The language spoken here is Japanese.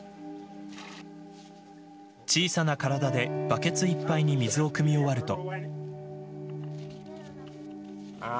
小さな体でバケツいっぱいに水をくみ終わると。